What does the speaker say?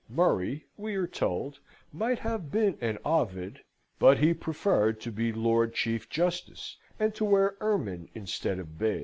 Murray, we are told, might have been an Ovid, but he preferred to be Lord Chief Justice, and to wear ermine instead of bays.